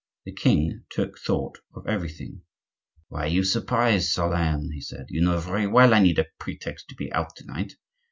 The king took thought of everything. "Why are you surprised, Solern?" he said. "You know very well I need a pretext to be out to night.